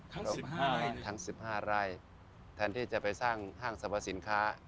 ทั้งสิบห้าทั้งสิบห้าไร่แทนที่จะไปสร้างห้างสรรพสินค้า